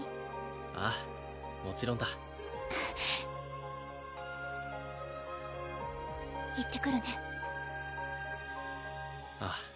ああもちろんだ行ってくるねああ